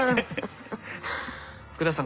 福田さん